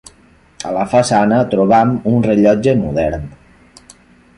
A la façana trobam un rellotge modern.